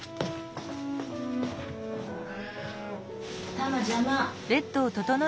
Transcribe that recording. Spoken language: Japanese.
タマ邪魔。